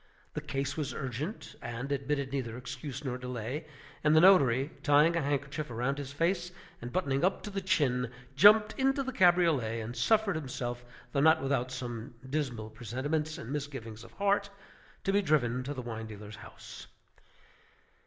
The case was urgent, and admitted neither excuse nor delay; and the notary, tying a handkerchief round his face, and buttoning up to the chin, jumped into the cabriolet, and suffered himself, though not without some dismal presentiments and misgivings of heart, to be driven to the wine dealer's house.